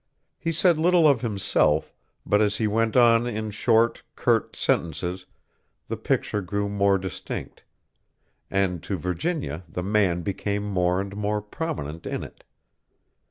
He said little of himself, but as he went on in short, curt sentences the picture grew more distinct, and to Virginia the man became more and more prominent in it.